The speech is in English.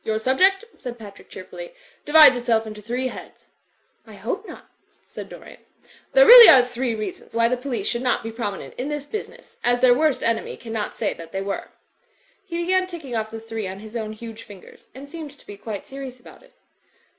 "Your subject," said Patrick, cheerfully, "divides itself into three heads." Digitized by CjOOQ IC THE MARCH ON IVYWOOD 295 ''I hope not," said Dorian. "There really are three reasons why the police should not be prominent in this business ; as their worst enemy cannot say that they were/' He began ticking off the three on his own huge fingers ; and seemed to be quite serious about it.